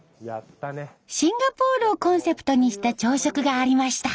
シンガポールをコンセプトにした朝食がありました。